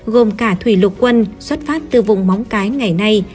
gồm cả thủy lục quân xuất phát từ vùng móng cái ngày nay